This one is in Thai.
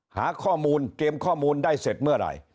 หาข้อมูลเตรียมข้อมูลได้เสร็จเมื่อไหร่